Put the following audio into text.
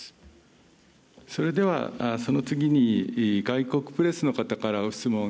それでは、その次に外国プレスの方からご質問。